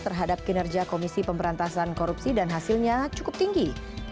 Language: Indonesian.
terhadap kinerja komisi pemberantasan korupsi dan hasilnya cukup tinggi